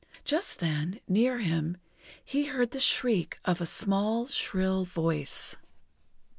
Just then, near him, he heard the shriek of a small, shrill voice.